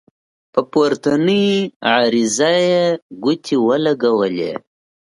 په پورتنۍ عریضه یې ګوتې ولګولې.